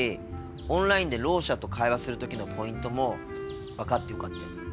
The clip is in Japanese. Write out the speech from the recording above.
オンラインでろう者と会話する時のポイントも分かってよかったよ。